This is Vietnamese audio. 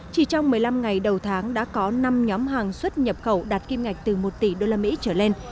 chỉ trong một mươi năm ngày đầu tháng đã có năm nhóm hàng xuất nhập khẩu đạt kim ngạch từ một tỷ đô la mỹ trở lên